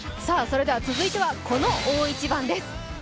続いてはこの大一番です。